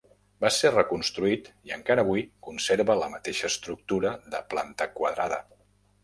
Va ser reconstruït i encara avui conserva la mateixa estructura de planta quadrada.